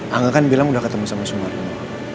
angga kan bilang udah ketemu sama semuanya